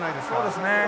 そうですね